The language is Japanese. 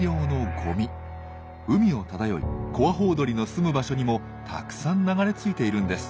海を漂いコアホウドリのすむ場所にもたくさん流れ着いているんです。